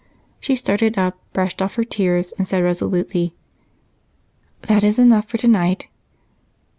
She started up, brushed off her tears, and said resolutely: "That is enough for tonight.